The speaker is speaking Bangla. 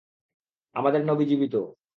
আমাদের নবী জীবিত।